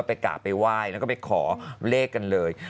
กะไปไหว้แล้วก็ไปขอเลขกันเลย